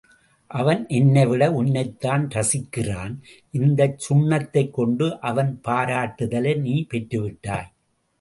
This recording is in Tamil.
அவன் என்னைவிட உன்னைத்தான் ரசிக்கிறான் இந்தச் சுண்ணத்தைக் கொண்டு அவன் பாராட்டுதலை நீ பெற்றுவிட்டாய்.